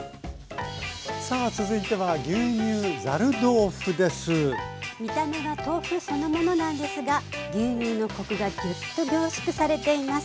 さあ続いては見た目は豆腐そのものなんですが牛乳のコクがぎゅっと凝縮されています。